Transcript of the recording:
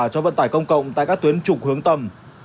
cho vận tải công cộng tại các tuyến trục hướng tầm